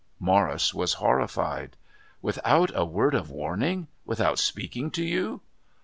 Morris was horrified. "Without a word of warning? Without speaking to you?